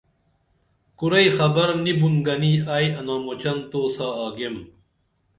کُرئی خبر نی بُن گنی ائی انامُچن تو ساں آگیم